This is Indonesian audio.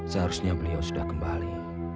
seharusnya beliau sudah kembali